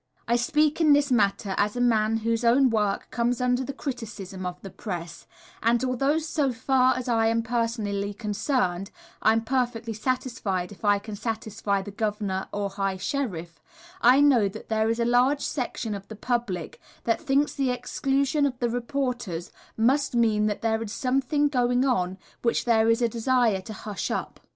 I speak in this matter as a man whose own work comes under the criticism of the press, and although so far as I am personally concerned, I am perfectly satisfied if I can satisfy the Governor or High Sheriff, I know that there is a large section of the public that thinks the exclusion of the reporters must mean that there is something going on which there is a desire to hush up.